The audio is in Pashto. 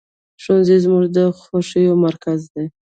ښوونځی زموږ د خوښیو مرکز دی